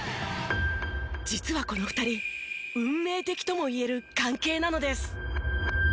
実はこの２人運命的とも言える関係なのです。